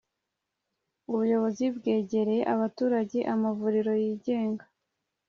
ubuyobozi bwegereye abaturage amavuriro yigenga,